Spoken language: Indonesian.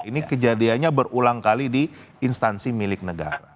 ini kejadiannya berulang kali di instansi milik negara